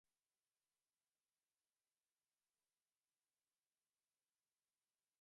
Kdor gladi koprivo, se opeče.